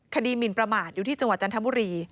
หมินประมาทอยู่ที่จังหวัดจันทบุรี